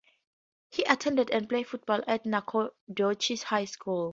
He attended and played football at Nacogdoches High School.